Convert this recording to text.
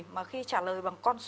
mà khi trả lời bằng con số